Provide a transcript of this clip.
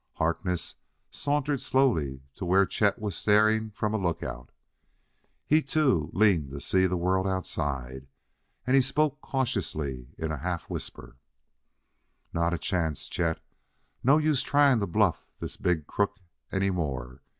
Harkness sauntered slowly to where Chet was staring from a lookout. He, too, leaned to see the world outside, and he spoke cautiously in a half whisper: "Not a chance, Chet. No use trying to bluff this big crook any more.